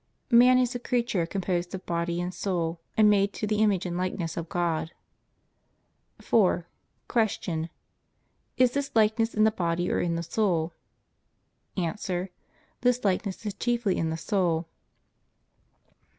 Man is a creature composed of body and soul, and made to the image and likeness of God. 4. Q. Is this likeness in the body or in the soul? A. This likeness is chiefly in the soul.